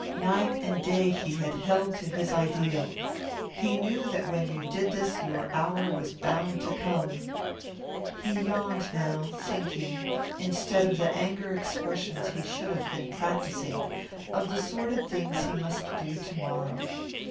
Night and day he had held to his ideal. He knew that when you did this your hour was bound to come. He yawned now, thinking, instead of the anger expressions he should have been practising, of the sordid things he must do to morrow.